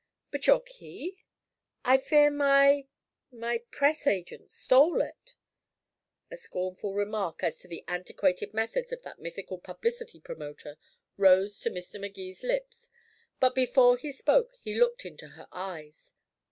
"But your key?" "I fear my my press agent stole it." A scornful remark as to the antiquated methods of that mythical publicity promoter rose to Mr. Magee's lips, but before he spoke he looked into her eyes.